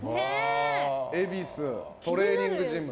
恵比寿、トレーニングジム。